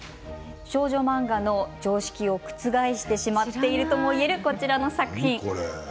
少女漫画の常識を覆してしまっているともいえるこちらの作品です。